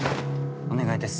お願いです。